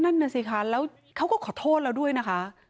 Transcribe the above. นั่นน่ะสิคะแล้วเขาก็ขอโทษเราด้วยนะคะ